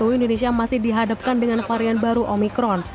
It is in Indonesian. indonesia masih dihadapkan dengan varian baru omikron